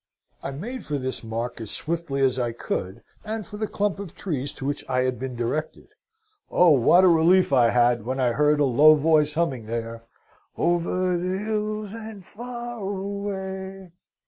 "I made for this mark as swiftly as I could, and for the clump of trees to which I had been directed. Oh, what a relief I had when I heard a low voice humming there, 'Over the hills and far away'!"